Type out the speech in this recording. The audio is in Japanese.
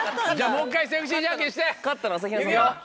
もう一回セクシーじゃんけんして。